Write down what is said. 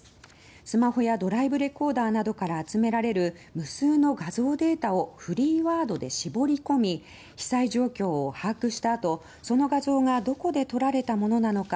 スマホやドライブレコーダーなどから集められる無数の画像データをフリーワードで絞り込み被災状況を把握した後その画像がどこで撮られたものなのか